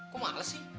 kok males sih